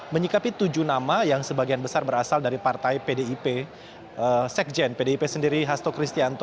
menyikapi tujuh nama yang sebagian besar berasal dari partai pdip sekjen pdip sendiri hasto kristianto